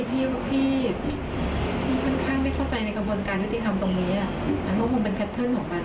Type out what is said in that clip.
พี่ค่อนข้างไม่เข้าใจในกระบวนการยุติธรรมตรงนี้มันก็คงเป็นแพทเทิร์นของมัน